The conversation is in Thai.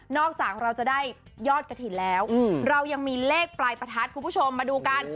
จากเราจะได้ยอดกระถิ่นแล้วเรายังมีเลขปลายประทัดคุณผู้ชมมาดูกัน